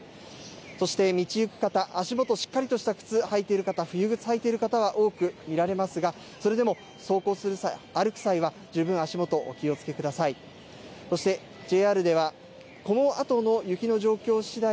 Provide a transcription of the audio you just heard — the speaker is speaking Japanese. そして、道行く方足元、しっかりとした冬靴をはいている方多く見られますがそれでも歩く際は十分に足元にお気をつけください。